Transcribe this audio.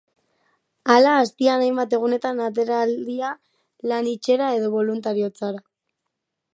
Hala, astean hainbat egunetan atera ahal izango dira lan egitera edo boluntariotzara.